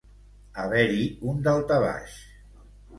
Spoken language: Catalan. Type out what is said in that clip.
Haver-hi un daltabaix.